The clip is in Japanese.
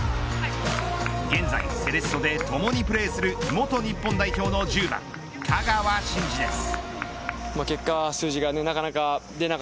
現在セレッソでともにプレーする元日本代表の１０番香川真司です。